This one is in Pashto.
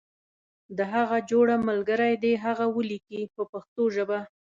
د هغه جوړه ملګری دې هغه ولیکي په پښتو ژبه.